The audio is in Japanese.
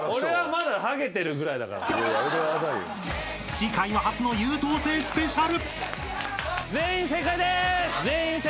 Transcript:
［次回は初の優等生スペシャル］